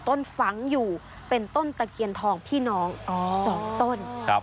ต้นฝังอยู่เป็นต้นตะเคียนทองพี่น้อง๒ต้น